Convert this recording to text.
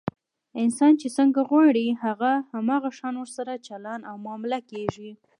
انسان چې څنګه غواړي، هم هغه شان ورسره چلند او معامله کېږي.